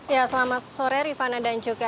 ya selamat sore rifana dan juga